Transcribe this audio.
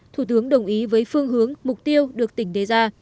thủ tướng đồng ý với phương hướng mục tiêu được tỉnh đề ra